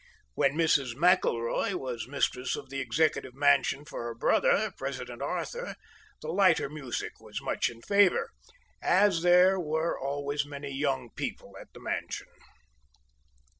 While Mrs. McElroy was mistress of the Executive Mansion for her brother, President Arthur, the lighter music was much in favor, as there were always many young people at the Mansion.